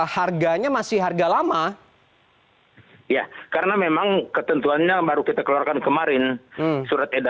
harganya masih berbeda beda